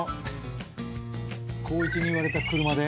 光一に言われた車で？